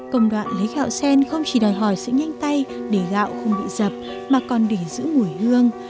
công đoạn lấy gạo sen không chỉ đòi hỏi sự nhanh tay để gạo không bị dập mà còn để giữ mùi hương